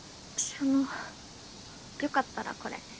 その良かったらこれ。